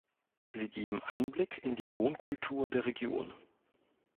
Sie geben Einblick in die Wohnkultur der Region.